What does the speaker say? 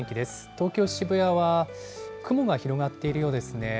東京・渋谷は雲が広がっているようですね。